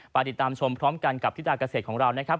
ปฏิตามชมพร้อมกันกับธิตากเศษของเรานะครับ